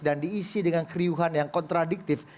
dan diisi dengan keriuhan yang kontradiktif